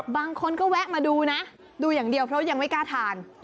บางคนก็แวะมาดูนะดูอย่างเดียวเพราะยังไม่กล้าทาน